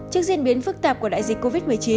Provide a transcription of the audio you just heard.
trước diễn biến phức tạp của đại dịch covid một mươi chín